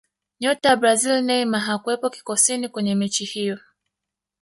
nyota wa brazili neymar hakuwepo kikosini kwenye mechi hiyo